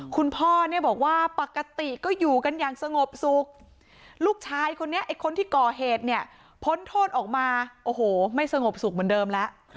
คุณพ่อเนี่ยบอกว่าปกติก็อยู่กันอย่างสงบสุขลูกชายคนนี้ไอ้คนที่ก่อเหตุเนี่ยพ้นโทษออกมาโอ้โหไม่สงบสุขเหมือนเดิมแล้ว